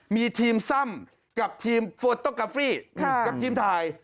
มีทีมซ่ำกับทีมฟอตโกรฟี่กับทีมถ่าย